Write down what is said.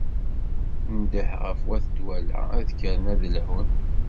Ndeh ɣef wat Dwala ad kkren ad lḥun.